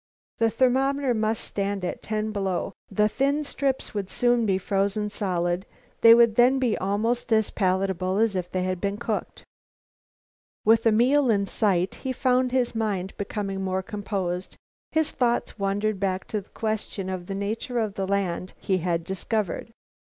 The thermometer must stand at ten below. The thin strips would soon be frozen solid. They would then be almost as palatable as if they had been cooked. With a meal in sight, he found his mind becoming more composed. His thoughts wandered back to the question of the nature of the land he had discovered.